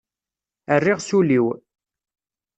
Rriɣ s ul-iw.